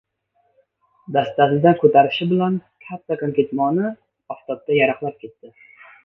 Dastasidan ko‘tarishi bilan kattakon ketmoni oftobda yaraqlab ketadi.